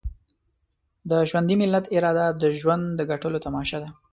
د ژوندي ملت اراده د ژوند د ګټلو تماشه ده.